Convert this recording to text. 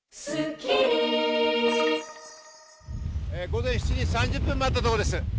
午前７時３０分になったところです。